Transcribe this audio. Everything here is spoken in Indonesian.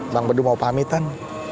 bang bedu mau pamitan